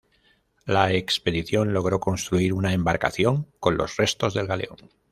La expedición logró construir una embarcación con los restos del galeón.